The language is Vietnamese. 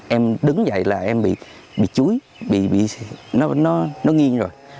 em đứng dậy là em bị chúi nó nghiêng rồi